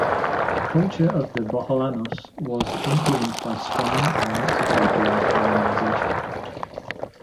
The culture of the Boholanos was influenced by Spain and Mexico during colonization.